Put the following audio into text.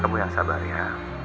kamu yang sabar ya